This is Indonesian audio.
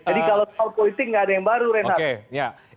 jadi kalau soal politik nggak ada yang baru renat